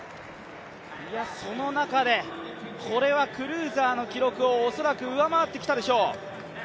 その中で、これはクルーザーの記録を恐らく上回ってきたでしょう。